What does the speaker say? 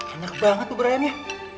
enak banget bubur ayamnya